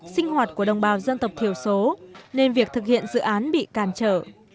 sinh hoạt của đồng bào dân tộc thiểu số nên việc thực hiện dự án bị càn trở